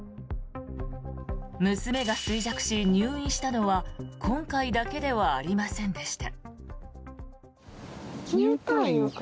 娘が衰弱し入院したのは今回だけではありませんでした。